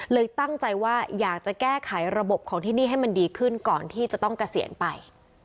ตั้งใจว่าอยากจะแก้ไขระบบของที่นี่ให้มันดีขึ้นก่อนที่จะต้องเกษียณไป